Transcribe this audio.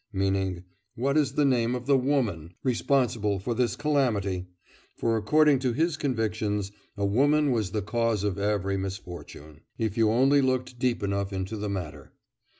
meaning, what is the name of the woman responsible for this calamity, for according to his convictions, a woman was the cause of every misfortune, if you only looked deep enough into the matter.